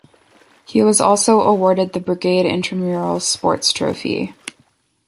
He was also awarded the Brigade Intramural Sports Trophy.